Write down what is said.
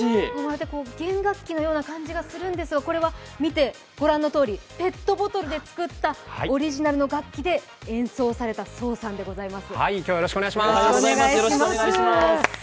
弦楽器のような感じがするんですがご覧のようにペットボトルで作ったオリジナルの楽器で演奏された創さんでございます。